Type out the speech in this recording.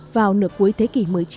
vào nửa cuối thế kỷ một mươi chín